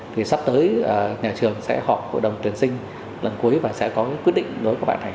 thì sắp tới nhà trường sẽ họp hội đồng tuyển sinh lần cuối và sẽ có quyết định đối với các bạn thành